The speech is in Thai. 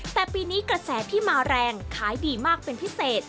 แต่ปีนี้กระแสที่มาแรงขายดีมากเป็นพิเศษ